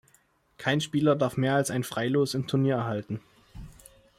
Kein Spieler darf mehr als ein Freilos im Turnier erhalten.